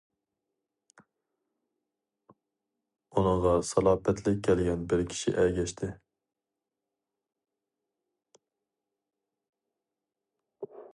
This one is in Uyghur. ئۇنىڭغا سالاپەتلىك كەلگەن بىر كىشى ئەگەشتى.